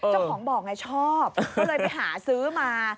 เจ้าของบอกไงชอบก็เลยไปหาซื้อมา